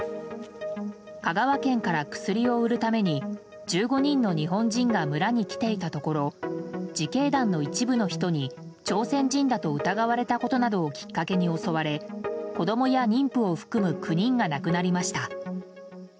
香川県から薬を売るために１５人の日本人が村に来ていたところ自警団の一部の人に朝鮮人だと疑われたことなどをきっかけに襲われ子供や妊婦を含む９人が亡くなりました。